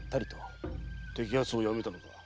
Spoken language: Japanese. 摘発をやめたのか。